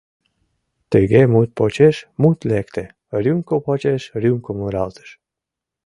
Тыге мут почеш мут лекте, рюмко почеш рюмко муралтыш.